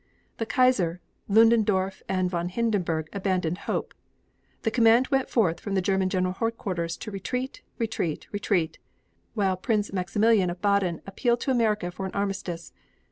The Kaiser, Ludendorf and von Hindenburg abandoned hope. The command went forth from the German general headquarters to retreat, retreat, retreat, while Prince Maximilian of Baden appealed to America for an armistice.